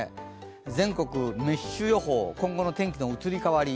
全国メッシュ予報、今後の天気の移り変わり。